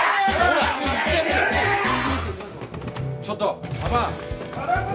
ちょっと。